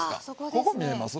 ここ見えます？